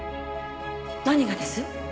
何がです？